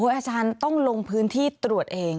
อาจารย์ต้องลงพื้นที่ตรวจเอง